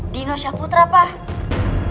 dino syaputra pak